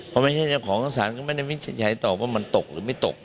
พอไม่ใช่เจ้าของทั้งศาลก็ไม่ได้วินิจฉัยตอบว่ามันตกหรือไม่ตก